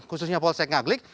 khususnya polsek ngaglik